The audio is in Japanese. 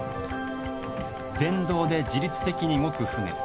電動で自律的に動く船。